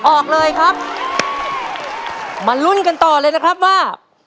ออกเลยครับมาลุ้นกันต่อเลยนะครับว่า